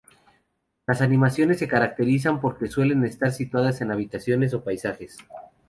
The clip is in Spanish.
Las animaciones se caracterizan porque suelen estar situadas en habitaciones o paisajes.